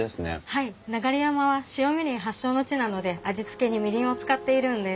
はい流山は白みりん発祥の地なので味つけにみりんを使っているんです。